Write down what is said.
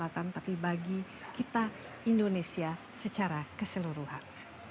kesehatan tapi bagi kita indonesia secara keseluruhan